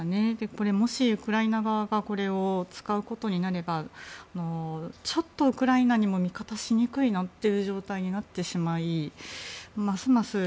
これもしウクライナ側がこれを使うことになればちょっとウクライナにも味方しにくいなという状態になってしまいますます